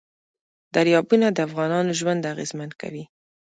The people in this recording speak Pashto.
دریابونه د افغانانو ژوند اغېزمن کوي.